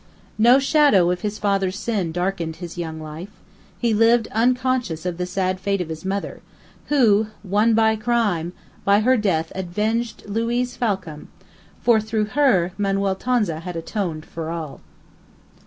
No shadow of his father's sin darkened his young life; he lived unconscious of the sad fate of his mother, who, won by crime, by her death avenged Luiz Falcam, for, through her, Manuel Tonza had atoned for all.